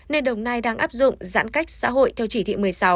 nên đồng nai đang áp dụng giãn cách xã hội theo chỉ thị một mươi sáu